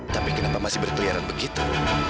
tapi kenapa masih berkeliaran begitu